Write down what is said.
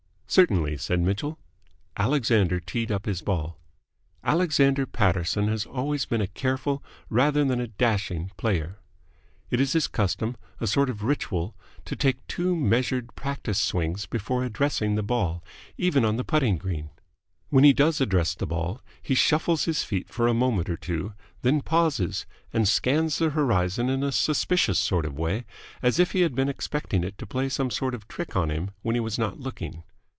"Certainly," said Mitchell. Alexander teed up his ball. Alexander Paterson has always been a careful rather than a dashing player. It is his custom, a sort of ritual, to take two measured practice swings before addressing the ball, even on the putting green. When he does address the ball he shuffles his feet for a moment or two, then pauses, and scans the horizon in a suspicious sort of way, as if he had been expecting it to play some sort of a trick on him when he was not looking.